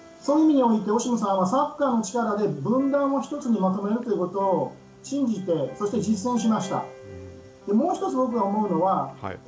そういう意味でオシムさんはサッカーの力で分断を１つにまとめようということを信じて、そして実践しました。